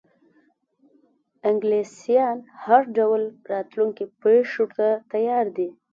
انګلیسیان هر ډول راتلونکو پیښو ته تیار دي.